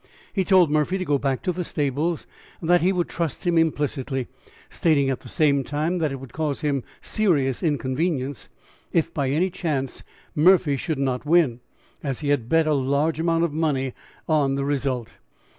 "He told Murphy to go back to the stables, and that he would trust him implicitly, stating at the same time that it would cause him serious inconvenience if by any chance Murphy should not win, as he had bet a large amount of money on the result.